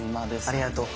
ありがとう。